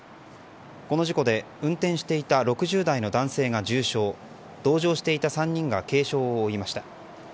この事故で運転していた６０代の男性が重傷同乗していた３人が軽傷を負いました。